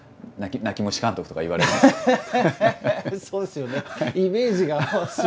そうですよね。